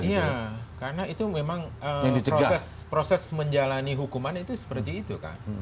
iya karena itu memang proses menjalani hukuman itu seperti itu kan